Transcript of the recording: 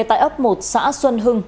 tại ốc một xã xuân hưng